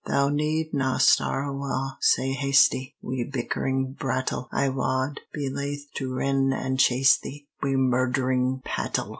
Thou need na start awa' sae hasty, Wi' bickering brattle! I wad be laith to rin an' chase thee, Wi' murd'ring pattle!